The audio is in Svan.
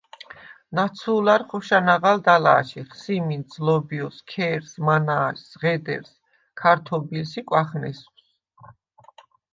ნაცუ̄ლარ ხოშა ნაღალდ ალა̄შიხ: სიმინდს, ლობჲოს, ქერს, მანა̄შს, ღედერს, ქართობილს ი კვახნესვს.